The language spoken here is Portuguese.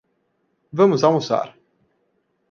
Vamos almoçar